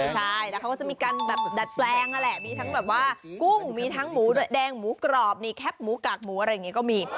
ใช่แล้วเขาก็จะมีการแบบดัดแปลงนั่นแหละมีทั้งแบบว่ากุ้งมีทั้งหมูแดงหมูกรอบมีแคปหมูกากหมูอะไรอย่างนี้ก็มี